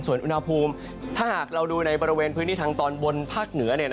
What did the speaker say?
ส่วนอุณหภูมิถ้าหากเราดูในบริเวณพื้นที่ทางตอนบนภาคเหนือ